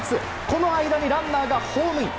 この間にランナーがホームイン。